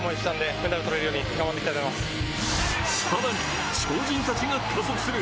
更に超人たちが加速する。